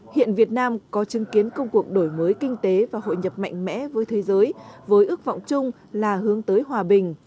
hiện việt nam có chứng kiến công cuộc đổi mới kinh tế và hội nhập mạnh mẽ với thế giới với ước vọng chung là hướng tới hòa bình